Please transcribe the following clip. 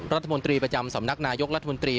รัฐมนตรีประจำสำนักนายกรัฐมนตรี